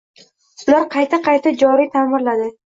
Ular qayta-qayta joriy taʼmirladi